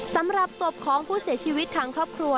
สำหรับศพของผู้เสียชีวิตทางครอบครัว